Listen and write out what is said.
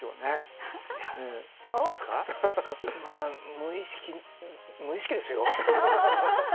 無意識無意識ですよ。